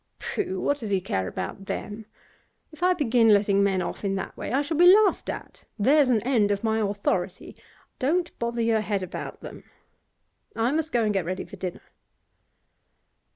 'Pooh! What does he care about them? If I begin letting men off in that way, I shall be laughed at. There's an end of my authority. Don't bother your head about them. I must go and get ready for dinner.